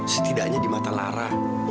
setidaknya di mata lara